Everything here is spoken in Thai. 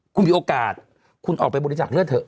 คุณมีโอกาสคุณออกไปบริจาคเลือดเถอ